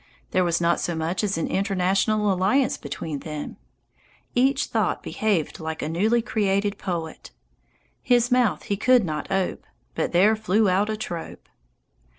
There was not so much as an international alliance between them. Each thought behaved like a newly created poet. "His mouth he could not ope, But there flew out a trope."